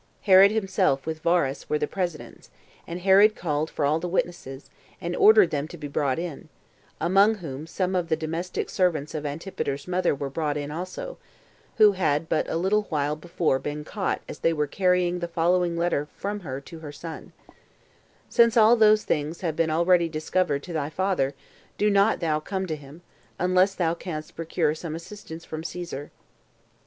Herod himself, with Varus, were the presidents; and Herod called for all the witnesses, and ordered them to be brought in; among whom some of the domestic servants of Antipater's mother were brought in also, who had but a little while before been caught, as they were carrying the following letter from her to her son: "Since all those things have been already discovered to thy father, do not thou come to him, unless thou canst procure some assistance from Caesar."